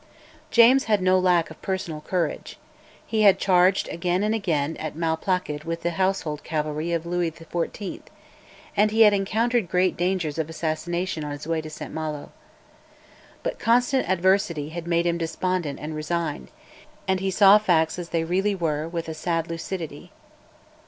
James had no lack of personal courage. He had charged again and again at Malplaquet with the Household cavalry of Louis XIV., and he had encountered great dangers of assassination on his way to St Malo. But constant adversity had made him despondent and resigned, while he saw facts as they really were with a sad lucidity.